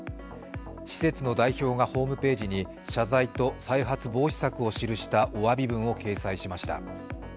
施設の代表がホームページに謝罪と再発防止策を記したおわび文を掲載しました。